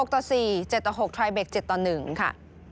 ต่อ๔๗ต่อ๖ไทยเบค๗ต่อ๑ค่ะ